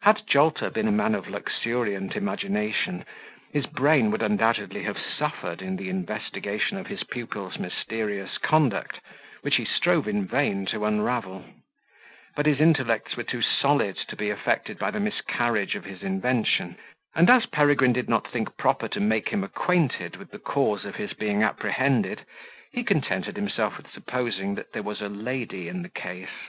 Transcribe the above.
Had Jolter been a man of a luxuriant imagination, his brain would undoubtedly have suffered in the investigation of his pupil's mysterious conduct, which he strove in vain to unravel; but his intellects were too solid to be affected by the miscarriage of his invention; and, as Peregrine did not think proper to make him acquainted with the cause of his being apprehended, he contented himself with supposing that there was a lady in the case.